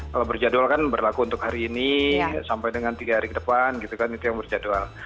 kalau berjadwal kan berlaku untuk hari ini sampai dengan tiga hari ke depan gitu kan itu yang berjadwal